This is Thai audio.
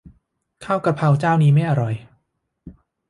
ข้าวกะเพราเจ้านี้ไม่อร่อย